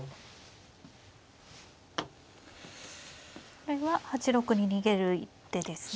これは８六に逃げる一手ですね。